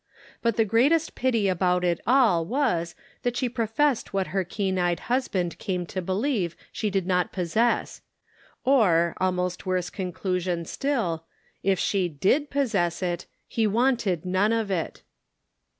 But the greatest pity about it all was, that she professed what her keen eyed husband came to believe she did not possess ; or almost worse conclusion still, if she did possess it, he wanted none of it!